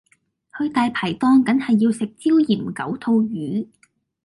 去大牌檔緊係要食椒鹽九肚魚